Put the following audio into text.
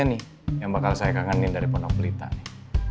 nih yang bakal saya kangenin dari ponok pelita nih